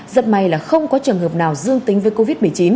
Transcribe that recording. rất may là không có trường hợp nào dương tính với covid một mươi chín